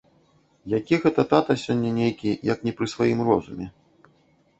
Які гэта тата сягоння нейкі, як не пры сваім розуме.